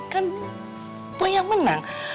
kan boy yang menang